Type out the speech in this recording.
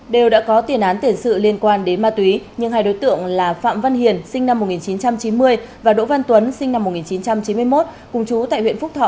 đều đã có tiền án tiền sự liên quan đến ma túy nhưng hai đối tượng là phạm văn hiền sinh năm một nghìn chín trăm chín mươi và đỗ văn tuấn sinh năm một nghìn chín trăm chín mươi một cùng chú tại huyện phúc thọ